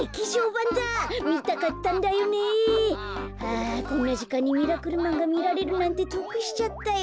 あこんなじかんに「ミラクルマン」がみられるなんてとくしちゃったよ。